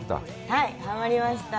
はい、はまりました。